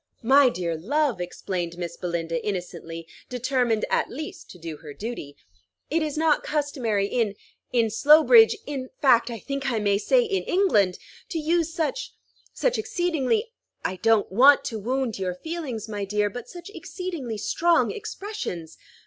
"My dear love," explained Miss Belinda innocently, determined at least to do her duty, "it is not customary in in Slowbridge, in fact, I think I may say in England, to use such such exceedingly I don't want to wound your feelings, my dear, but such exceedingly strong expressions!